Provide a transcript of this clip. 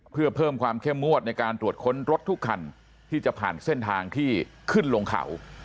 เพื่อเพิ่มความเข้มงวดในการตรวจค้นรถทุกคันที่จะผ่านเส้นทางที่ขึ้นลงเขา